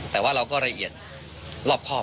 แต่ว่าเราก็ละเอียดรอบครอบ